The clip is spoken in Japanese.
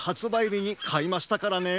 びにかいましたからね。